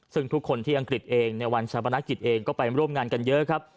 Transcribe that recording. ซึ่งทุกคนที่อังกฤษเองในวันชาปนกิจเองก็ไปร่วมงานกันเยอะครับ